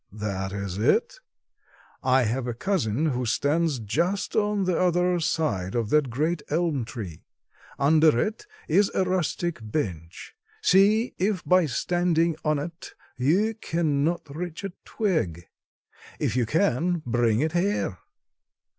"That is it. I have a cousin who stands just on the other side of that great elm tree. Under it is a rustic bench. See if by standing on it you cannot reach a twig. If you can, bring it here."